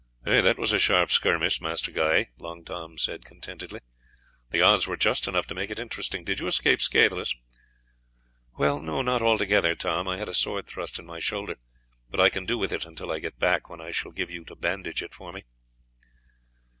"That was a sharp skirmish, Master Guy," Long Tom said contentedly; "the odds were just enough to make it interesting. Did you escape scatheless?" "Not altogether, Tom, I had a sword thrust in my shoulder; but I can do with it until I get back, when I will get you to bandage it for me."